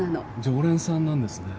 常連さんなんですね？